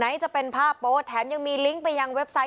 จะเป็นภาพโป๊แถมยังมีลิงก์ไปยังเว็บไซต์